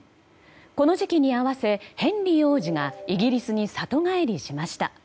この時期に合わせヘンリー王子がイギリスに里帰りしました。